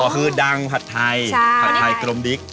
คือดังผัดไทยผัดไทยกรมดิ๊ก